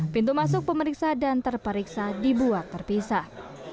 pintu masuk pemeriksa dan terperiksa dibuat terpisah